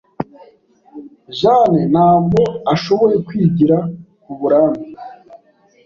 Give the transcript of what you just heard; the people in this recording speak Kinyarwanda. Jane ntabwo ashoboye kwigira kuburambe.